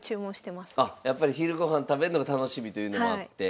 やっぱり昼御飯食べんのが楽しみというのもあって。